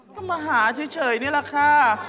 ก็มาหาเฉยนี่แหละค่ะ